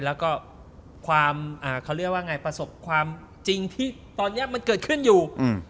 แล้วก็ความเขาเรียกว่าไงประสบความจริงที่ตอนนี้มันเกิดขึ้นอยู่